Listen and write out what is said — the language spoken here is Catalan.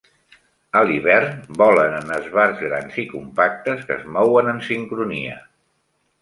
A l'hivern volen en esbarts grans i compactes que es mouen en sincronia.